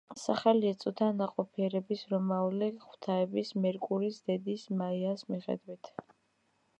სახელი ეწოდა ნაყოფიერების რომაული ღვთაების, მერკურის დედის, მაიას მიხედვით.